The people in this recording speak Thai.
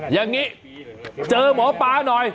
อย่างนี้เจอหมอปลาหน่อย